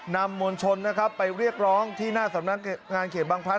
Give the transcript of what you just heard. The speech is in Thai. มวลชนนะครับไปเรียกร้องที่หน้าสำนักงานเขตบางพลัด